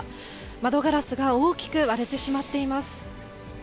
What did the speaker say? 窓ガラスが大きく割れてしまっています。